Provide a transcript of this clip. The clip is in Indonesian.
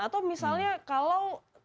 atau misalnya kalau ada perkembangan